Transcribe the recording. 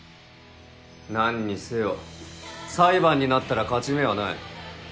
何にせよ裁判になったら勝ち目はない。